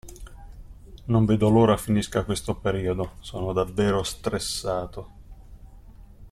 Non vedo l'ora finisca questo periodo, sono davvero stressato.